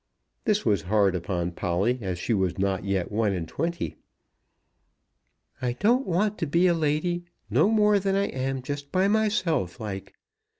This was hard upon Polly, as she was not yet one and twenty. "I don't want to be a lady; no more than I am just by myself, like.